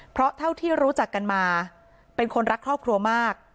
เพราะเท่าที่รู้จักกันมาเป็นคนรักครอบครัวมาก